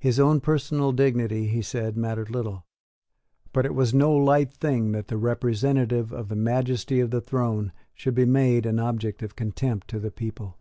His own personal dignity, he said, mattered little: but it was no light thing that the representative of the majesty of the throne should be made an object of contempt to the people.